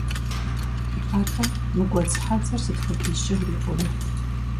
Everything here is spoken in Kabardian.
АтӀэ, мы гуэдз хьэдзэр сыт хуэдизкӀэ урикъуну?